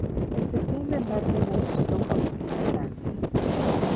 En septiembre embarca en Asunción con destino a Francia.